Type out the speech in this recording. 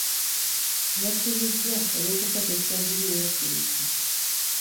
Yasibiddwa olw'okukozesa obubi woofiisi.